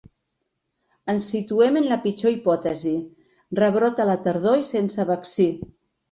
Ens situem en la pitjor hipòtesi: rebrot a la tardor i sense vaccí.